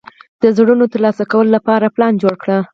د زړونو ترلاسه کولو لپاره پلان جوړ کړ.